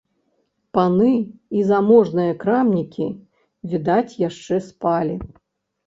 Паны і заможныя крамнікі, відаць, яшчэ спалі.